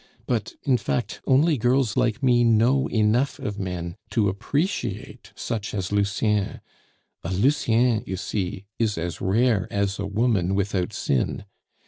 But, in fact, only girls like me know enough of men to appreciate such as Lucien. A Lucien, you see, is as rare as a woman without sin.